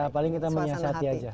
paling kita menyiasati aja